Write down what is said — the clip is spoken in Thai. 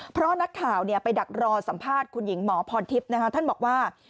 เพราะนักข่าวไปดักรอสัมภาษณ์คุณหญิงหมอพรทิพย์ท่านบอกว่า